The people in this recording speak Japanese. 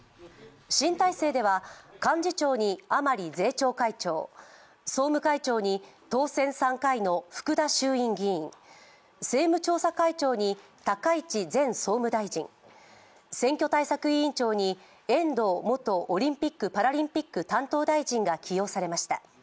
新体制では幹事長に甘利税調会長、総務会長に当選３回の福田衆院議員政務調査会長に高市前総務大臣、選挙対策委員長に遠藤元オリンピック・パラリンピック担当大臣が起用されました。